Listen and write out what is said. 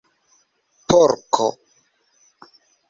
porko